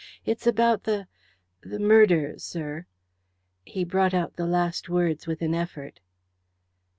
It's about the the murder, sir." He brought out the last words with an effort.